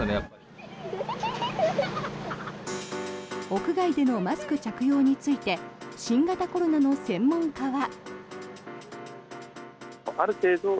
屋外でのマスク着用について新型コロナの専門家は。